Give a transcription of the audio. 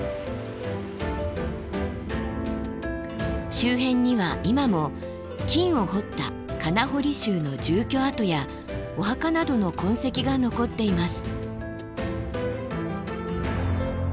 周辺には今も金を掘った金堀衆の住居跡やお墓などの痕跡が残っています。